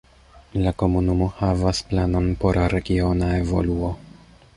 La komunumo havas planon por regiona evoluo.